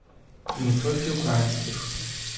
І не толькі ўкраінскіх.